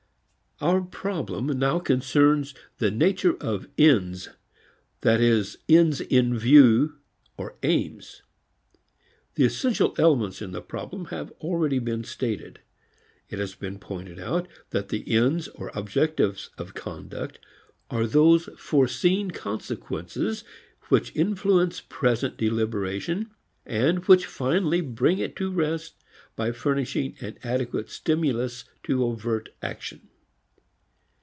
VI Our problem now concerns the nature of ends, that is ends in view or aims. The essential elements in the problem have already been stated. It has been pointed out that the ends, objectives, of conduct are those foreseen consequences which influence present deliberation and which finally bring it to rest by furnishing an adequate stimulus to overt action.